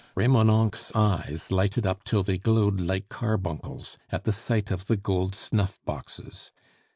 Remonencq's eyes lighted up till they glowed like carbuncles, at the sight of the gold snuff boxes.